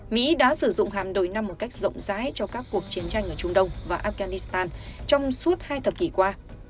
mỹ đã sử dụng hạm đội năm một cách rộng rãi cho các cuộc chiến tranh ở trung đông và afghanistan trong suốt hai thập kỷ qua